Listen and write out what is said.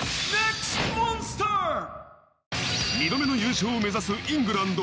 ２度目の優勝を目指すイングランド。